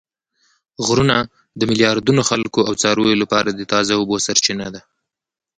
غرونه د میلیاردونو خلکو او څارویو لپاره د تازه اوبو سرچینه ده